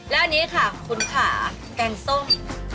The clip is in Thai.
และอันนี้ค่ะขุนขาแกงส้ม